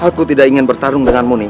aku tidak ingin bertarung denganmu nih